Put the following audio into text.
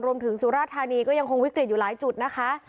รวมถึงสุรธารณีก็ยังคงวิกฤตอยู่หลายจุดนะคะ